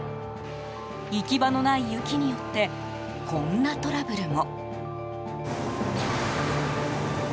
行き場のない雪によってこんなトラブルも。